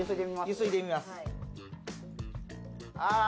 ゆすいでみますああ